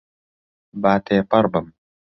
با تێپەڕبم.